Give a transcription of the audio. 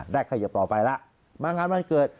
เขยิบต่อไปแล้วมางานวันเกิด